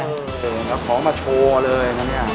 เดินซะของมาโชว์เลย